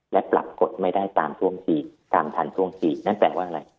และปรับกฎไม่ได้ตามทันทรวงสี่นั่นแปลว่าอะไร